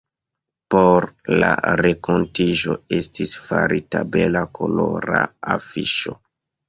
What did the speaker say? Por la renkontiĝo estis farita bela kolora afiŝo.